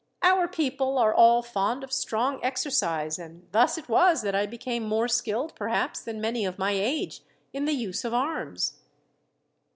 "Our people are all fond of strong exercise, and thus it was that I became more skilled, perhaps, than many of my age, in the use of arms."